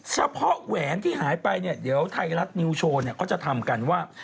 แหวนที่หายไปเนี่ยเดี๋ยวไทยรัฐนิวโชว์เนี่ยเขาจะทำกันว่า